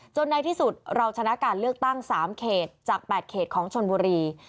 ในที่สุดเราชนะการเลือกตั้ง๓เขตจาก๘เขตของชนบุรี